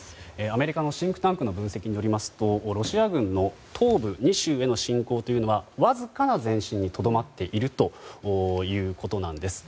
アメリカのシンクタンクの分析によりますとロシア軍の東部２州への侵攻というのはわずかな前進にとどまっているということです。